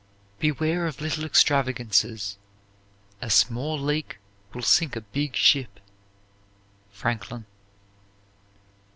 "Beware of little extravagances; a small leak will sink a big ship." FRANKLIN.